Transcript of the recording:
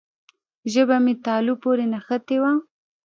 ژبه مې تالو پورې نښتې وه.